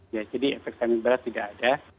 ya jadi efek samping berat tidak ada